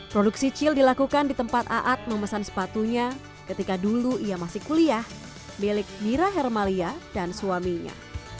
produksi cil dilakukan di tempat aad memesan sepatunya ketika dulu ia masih kuliah milik mira hermalia dan suaminya